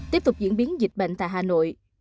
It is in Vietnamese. tiếp tục diễn biến dịch bệnh tại hà nội